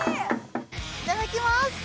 いただきます。